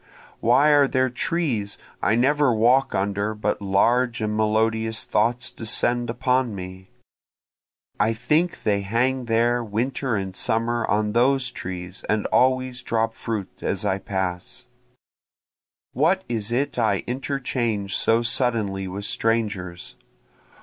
Why are there trees I never walk under but large and melodious thoughts descend upon me? (I think they hang there winter and summer on those trees and always drop fruit as I pass;) What is it I interchange so suddenly with strangers?